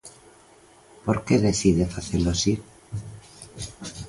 Por que decide facelo así?